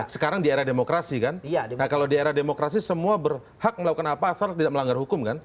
sekarang di era demokrasi kan nah kalau di era demokrasi semua berhak melakukan apa asal tidak melanggar hukum kan